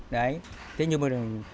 đấy thế nhưng mà